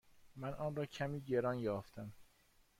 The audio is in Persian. من آن را کمی گران یافتم.